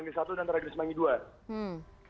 peringatan dari tragedi semanggi i dan ii